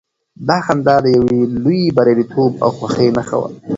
دا خندا د يو لوی برياليتوب او خوښۍ نښه وه.